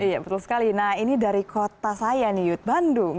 iya betul sekali nah ini dari kota saya nih yud bandung